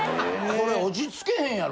これ落ち着けへんやろ。